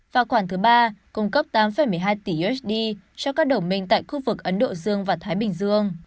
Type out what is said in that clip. và khoản thứ ba cung cấp tám một mươi hai tỷ usd cho các đồng minh tại khu vực ấn độ dương và thái bình dương